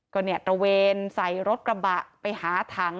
ก็เนี่ยตระเวนใส่รถกระบะไปหาถัง